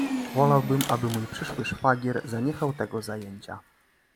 "Wolałbym, aby mój przyszły szwagier zaniechał tego zajęcia."